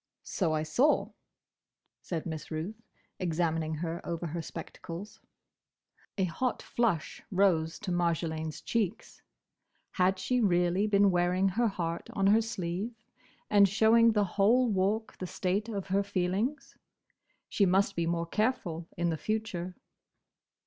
"So I saw," said Miss Ruth, examining her over her spectacles. A hot flush rose to Marjolaine's cheeks. Had she really been wearing her heart on her sleeve, and showing the whole Walk the state of her feelings? She must be more careful in future.